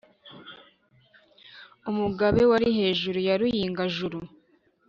Umugabe wari hejuru ya Ruyinga-juru.